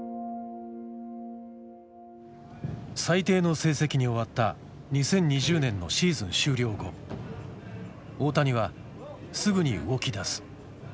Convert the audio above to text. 最低の成績に終わった２０２０年のシーズン終了後大谷はすぐに動きだす。